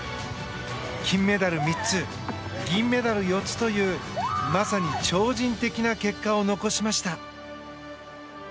金メダル３つ銀メダル４つというまさに超人的な結果を残しました。